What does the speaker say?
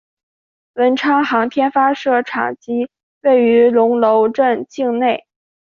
文昌航天发射场即位于龙楼镇境内。